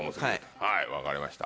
はい分かりました。